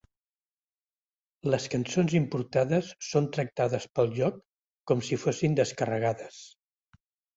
Les cançons importades són tractades pel joc com si fossin descarregades.